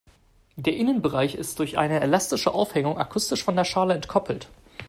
Der Innenbereich ist durch eine elastische Aufhängung akustisch von der Schale entkoppelt.